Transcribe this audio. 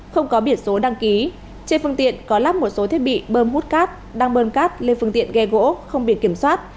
không có biển số đăng ký trên phương tiện có lắp một số thiết bị bơm hút cát đang bơm cát lên phương tiện ghe gỗ không biển kiểm soát